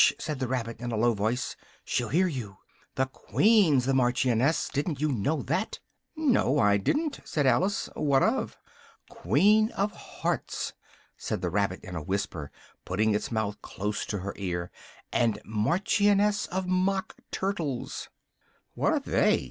said the rabbit in a low voice, "she'll hear you. The Queen's the Marchioness: didn't you know that?" "No, I didn't," said Alice, "what of?" "Queen of Hearts," said the rabbit in a whisper, putting its mouth close to her ear, "and Marchioness of Mock Turtles." "What are they?"